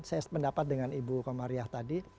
saya pendapat dengan ibu komaria tadi